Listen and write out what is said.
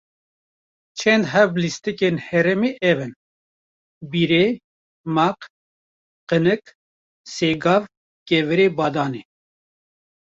çend heb lîstikên herêmê ev in: Birê, maq, qinik, sêgav, kevirê badanê